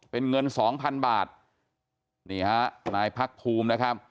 เป็นเงินสองพันบาทนี่ฮะนายพักภูมินะครับ